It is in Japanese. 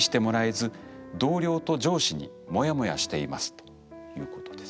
ということです。